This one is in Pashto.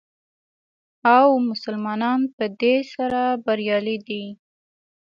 او مسلمانان په دې سره بریالي دي.